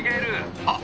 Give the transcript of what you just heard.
あっ！